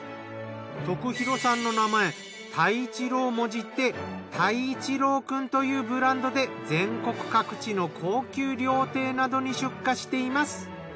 徳弘さんの名前多一郎をもじって鯛一郎クンというブランドで全国各地の高級料亭などに出荷しています。